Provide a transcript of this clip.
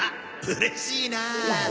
うれしいなあ。